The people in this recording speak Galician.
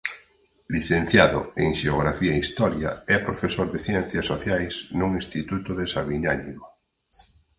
Licenciado en Xeografía e Historia e profesor de ciencias sociais nun instituto de Sabiñánigo.